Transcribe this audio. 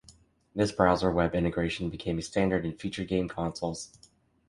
This browser web integration became a standard in future game consoles.